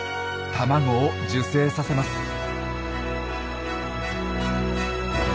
卵を受精させます。